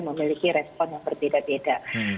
memiliki respon yang berbeda beda